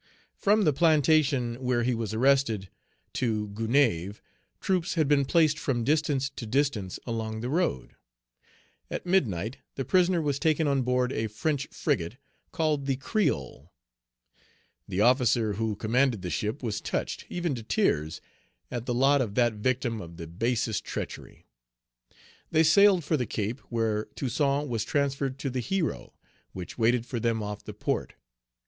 From the plantation where he was arrested to Gonaïves, troops had been placed from distance to distance along the road. At midnight, the prisoner was taken on board a French frigate, called the "Creole." The officer who commanded the ship was touched, even to tears, at the lot of that victim of the basest treachery. They sailed for the Cape, where Toussaint was transferred to the Hero, which waited for them off the port.